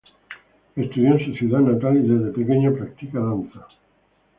Estudió en su ciudad natal y desde pequeña practica danza.